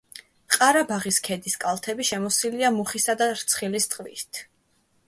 ყარაბაღის ქედის კალთები შემოსილია მუხისა და რცხილის ტყით.